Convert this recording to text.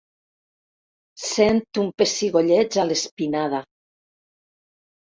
Sent un pessigolleig a l'espinada.